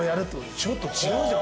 ちょっと違うじゃん